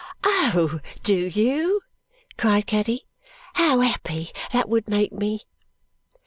"Oh, do you?" cried Caddy. "How happy that would make me!"